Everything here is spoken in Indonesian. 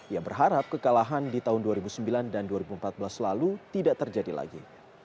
ia berharap kekalahan di tahun dua ribu sembilan dan dua ribu empat belas lalu tidak terjadi lagi